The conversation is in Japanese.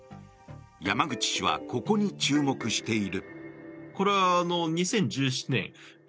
山口氏はここに注目している。